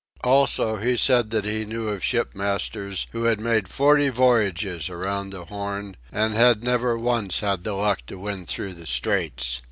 Also, he said that he knew of shipmasters who had made forty voyages around the Horn and had never once had the luck to win through the straits.